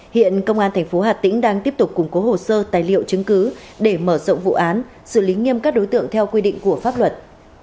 hiện công an tp hà tĩnh đang tiếp tục củng cố hồ sơ tài liệu chứng cứ để mở rộng vụ án xử lý nghiêm các đối tượng theo quy định của pháp luật